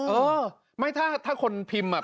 เออไม่ถ้าถ้าคนพิมพ์